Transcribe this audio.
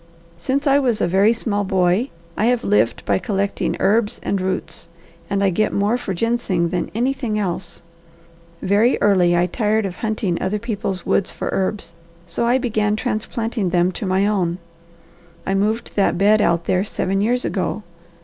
Since I was a very small boy I have lived by collecting herbs and roots, and I get more for ginseng than anything else. Very early I tired of hunting other people's woods for herbs, so I began transplanting them to my own. I moved that bed out there seven years ago.